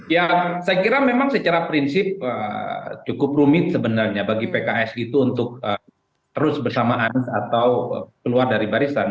ya saya kira memang secara prinsip cukup rumit sebenarnya bagi pks itu untuk terus bersamaan atau keluar dari barisan